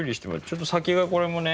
ちょっと先がこれもね